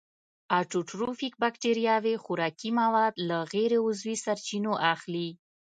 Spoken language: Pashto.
اټوټروفیک باکتریاوې خوراکي مواد له غیر عضوي سرچینو اخلي.